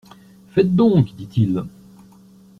Faites donc, dit-il.